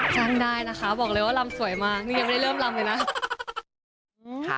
จังได้นะคะบอกเลยว่ารำสวยมาก